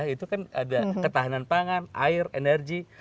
itu kan ada ketahanan pangan air energi